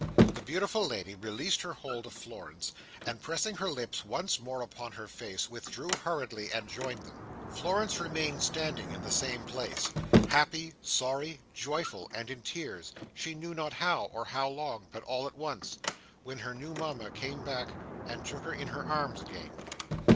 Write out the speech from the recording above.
The beautiful lady released her hold of Florence, and pressing her lips once more upon her face, withdrew hurriedly, and joined them. Florence remained standing in the same place: happy, sorry, joyful, and in tears, she knew not how, or how long, but all at once: when her new Mama came back, and took her in her arms again.